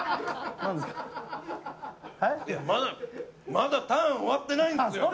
まだターン終わってないんですよ。